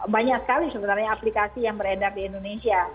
banyak sekali sebenarnya aplikasi yang beredar di indonesia